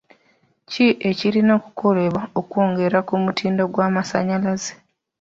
Ki ekirina okukolebwa okwongera ku mutindo gw'amasannyalaze?